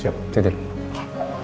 sampai jumpa lagi